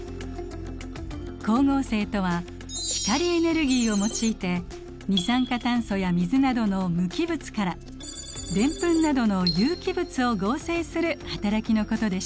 光合成とは光エネルギーを用いて二酸化炭素や水などの無機物からデンプンなどの有機物を合成する働きのことでしたね。